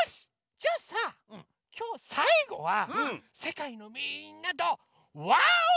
じゃあさきょうさいごはせかいのみんなと「わお！」